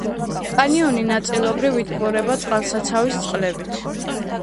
კანიონი ნაწილობრივ იტბორება წყალსაცავის წყლებით.